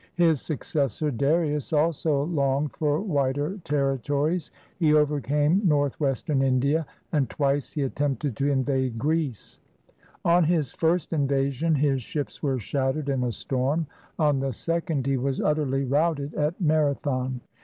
His successor Darius also longed for wider territories. He over came northwestern India, and twice he attempted to in vade Greece. On his first invasion, his ships were shattered in a storm; on the second, he was utterly routed at Mara thon.